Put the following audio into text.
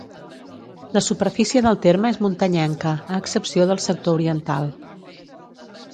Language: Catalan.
La superfície del terme és muntanyenca, a excepció del sector oriental.